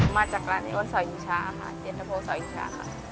มาจากร้านนี้อ้วนเซาอินชาอาหารเย็นตะโภเซาอินชาค่ะ